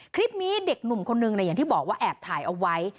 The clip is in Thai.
คลิปนี้เด็กหนุ่มคนนึงอย่างที่บอกว่าแอบถ่ายเอาไว้